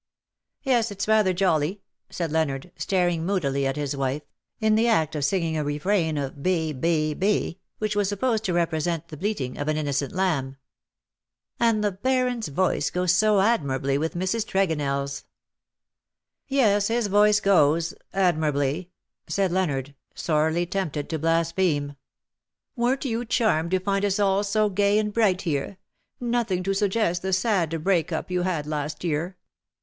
"*^ '^Yes, it's rather jolly/' said Leonard^ staring moodily at his wife^ in the act of singing a refrain of Be be bCj which was supposed to represent the bleating of an innocent lamb. ''And the Baron's voice goes so admirably with Mrs. Tregonell's." " Yes, his voice goes — admirably," said Leonard, sorely tempted to blaspheme. ''Weren't you charmed to find us all so gay and bright here — nothing to suggest the sad break up 128 you had last year.